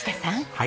はい。